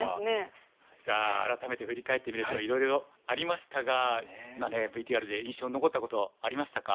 さあ改めて振り返ってみるといろいろありましたが今のＶＴＲで印象に残ったことありましたか？